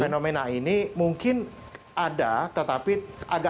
fenomena ini mungkin ada tetapi agak